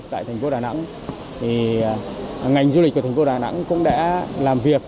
tại thành phố đà nẵng ngành du lịch của thành phố đà nẵng cũng đã làm việc